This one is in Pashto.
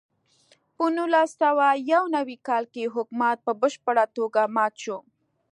په نولس سوه یو نوي کال کې حکومت په بشپړه توګه مات شو.